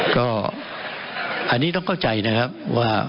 ก็อันนี้ต้องเข้าใจนะครับว่า